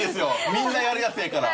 みんなやるやつやから。